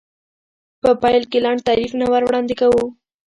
په پیل کې لنډ تعریف نه وړاندې کوم.